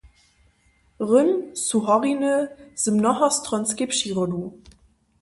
Rhön su horiny z mnohostronskej přirodu.